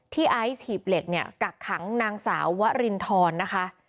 ไอซ์หีบเหล็กเนี่ยกักขังนางสาววรินทรนะคะ